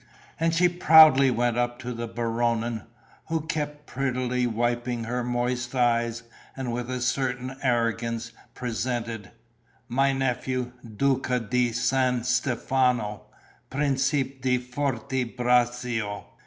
And she proudly went up to the Baronin, who kept prettily wiping her moist eyes, and with a certain arrogance presented: "My nephew, Duca di San Stefano, Principe di Forte Braccio...."